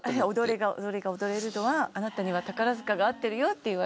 踊りが踊れるのはあなたには宝塚が合ってるよって言われて受けました。